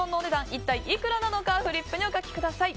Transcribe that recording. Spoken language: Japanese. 一体いくらなのかフリップにお書きください。